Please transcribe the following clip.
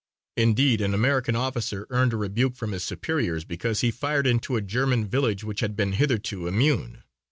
Indeed, an American officer earned a rebuke from his superiors because he fired into a German village which had been hitherto immune.